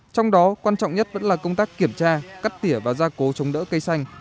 trong đó quan trọng nhất vẫn là công tác kiểm tra cắt tỉa và gia cố chống đỡ cây xanh